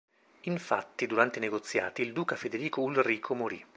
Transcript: Infatti, durante i negoziati, il duca Federico Ulrico morì.